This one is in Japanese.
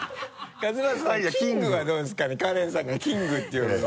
和正さん「キング」はどうですかねかれんさんが「キング」って呼ぶのは。